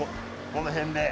この辺で。